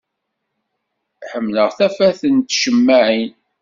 Ḥemmleɣ tafat n tcemmaɛin.